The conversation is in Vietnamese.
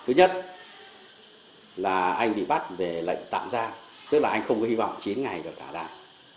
thứ nhất là anh bị bắt về lệnh tạm giam tức là anh không có hy vọng chín ngày được thả lại